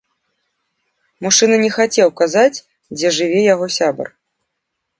Мужчына не хацеў казаць, дзе жыве яго сябар.